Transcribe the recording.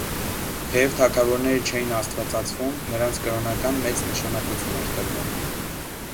Թեև թագավորները չէին աստվածացվում, նրանց կրոնական մեծ նշանակություն էր տրվում։